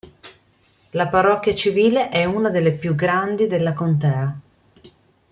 La parrocchia civile è una delle più grandi della contea.